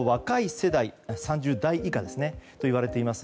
３０代以下といわれています。